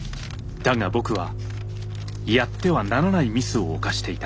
だが僕はやってはならないミスを犯していた。